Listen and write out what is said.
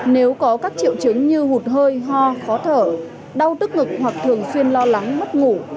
nếu có các triệu chứng như hụt hơi ho khó thở đau tức ngực hoặc thường xuyên lo lắng mất ngủ